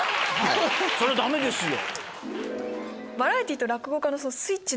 そりゃダメですよ。